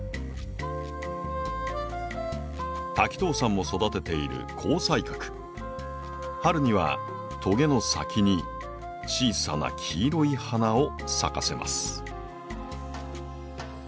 滝藤さんも育てている春にはトゲの先に小さな黄色い花を咲かせます。